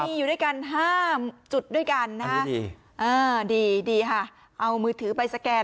มีอยู่ด้วยกัน๕จุดด้วยกันนะฮะดีดีค่ะเอามือถือไปสแกน